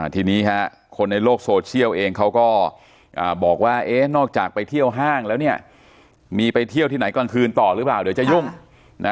ทีนี้คนในโลกโซเชียลเองเขาก็บอกว่านอกจากไปเที่ยวห้างแล้วเนี่ยมีไปเที่ยวที่ไหนกลางคืนต่อหรือเปล่าเดี๋ยวจะยุ่งนะ